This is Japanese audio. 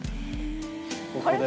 ここで。